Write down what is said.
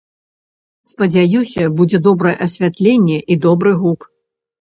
Спадзяюся, будзе добрае асвятленне і добры гук.